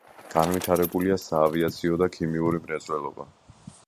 განვითარებულია საავიაციო და ქიმიური მრეწველობა.